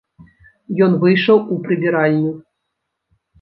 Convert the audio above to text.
Ён выйшаў у прыбіральню.